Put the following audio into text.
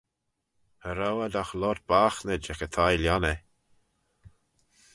Cha row ad agh loayrt boghtynid ec y thie-lhionney.